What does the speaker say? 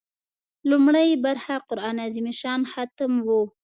لومړۍ برخه قران عظیم الشان ختم و.